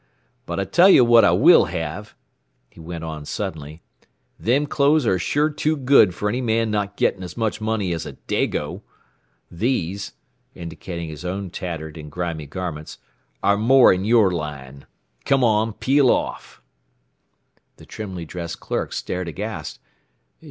"But I tell you what I will have," he went on suddenly. "Them clothes are sure too good for any man not getting as much money as a Dago. These," indicating his own tattered and grimy garments, "are more in your line. Come on! Peel off!" The trimly dressed clerk stared aghast.